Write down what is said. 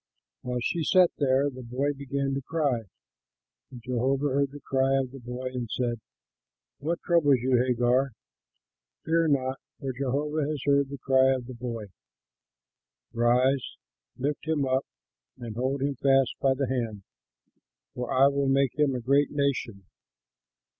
While she sat there, the boy began to cry; and Jehovah heard the cry of the boy, and said, "What troubles you, Hagar? Fear not, for Jehovah has heard the cry of the boy. Rise, lift him up, and hold him fast by the hand, for I will make him a great nation."